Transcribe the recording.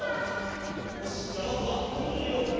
よしじゃあまずはトンネルをくぐります。